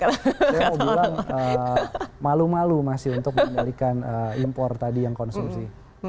saya mau bilang malu malu masih untuk mengendalikan impor tadi yang konsumsi